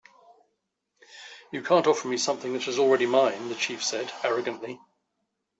"You can't offer me something that is already mine," the chief said, arrogantly.